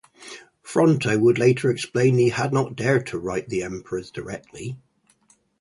Fronto would later explain that he had not dared to write the emperors directly.